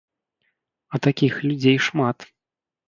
А такіх людзей шмат.